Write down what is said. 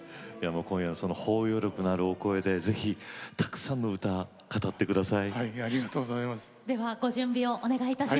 今夜、包容力のあるお声でぜひたくさんの歌を語ってください。